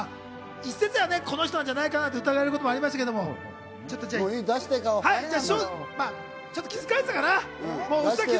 一説にはこの人なんじゃないかな？って疑われる部分もありましたけど、気づかれてたかな？